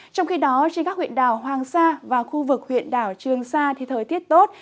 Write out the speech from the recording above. trong khi đó trên các huyện đảo hoàng sa và khu vực huyện đảo trường sa thì thời tiết tốt